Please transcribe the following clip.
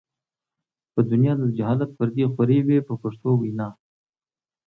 په دنیا د جهالت پردې خورې وې په پښتو وینا.